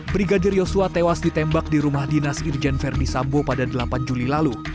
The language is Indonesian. brigadir yosua tewas ditembak di rumah dinas irjen verdi sambo pada delapan juli lalu